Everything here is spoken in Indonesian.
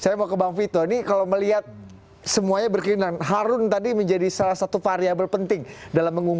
ini terjadi juga sebagai sebuah proses kemajuan